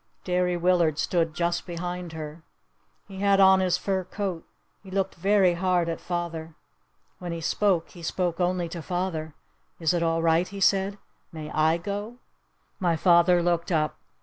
Derry Willard stood just behind her. He had on his fur coat. He looked very hard at father. When he spoke he spoke only to father. "Is it all right?" he said. "May I go?" My father looked up.